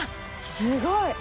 すごい！